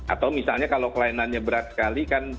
atau misalnya kalau kelainannya berat sekali kan